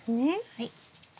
はい。